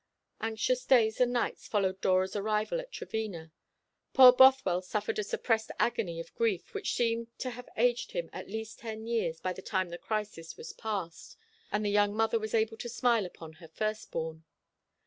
Anxious days and nights followed Dora's arrival at Trevena. Poor Bothwell suffered a suppressed agony of grief, which seemed to have aged him at least ten years by the time the crisis was past, and the young mother was able to smile upon her firstborn.